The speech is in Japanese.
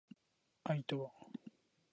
愛とは